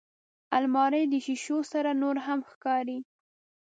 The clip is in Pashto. الماري د شیشو سره نورهم ښکاري